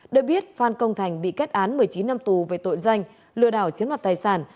để biết phan công thành bị kết án một mươi chín năm tù về tội danh lừa đảo chiếm mặt tài sản